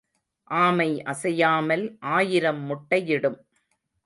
ஆமை அசையாமல் ஆயிரம் முட்டையிடும்.